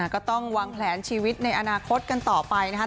ก็ต้องวางแผนชีวิตในอนาคตกันต่อไปนะครับ